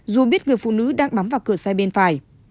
dù biết người phụ nữ đang bám vào cửa xe bên phải